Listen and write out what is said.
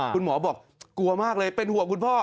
คุณหมอบอกกลัวมากเลยเป็นห่วงคุณพ่อ